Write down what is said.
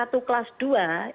kalau kelas satu kelas dua